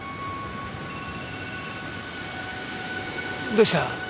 どうした？